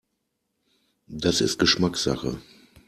Das ist Geschmackssache.